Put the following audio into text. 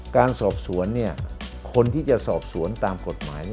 การสอบสวนคนที่จะสอบสวนตามกฎหมาย